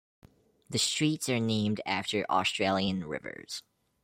The streets are named after Australian rivers.